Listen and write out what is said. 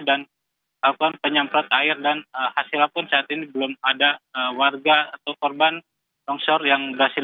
dan akan penyamperat air dan hasil pun saat ini belum ada warga atau korban longsor yang berhasil